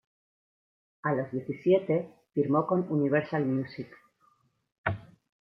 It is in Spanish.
A los diecisiete, firmó con Universal Music.